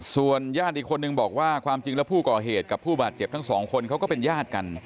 ส่วนญาติอีกคนนึงบอกว่าความจริงแล้วผู้ก่อเหตุกับผู้บาดเจ็บทั้งสองคนเขาก็เป็นญาติกัน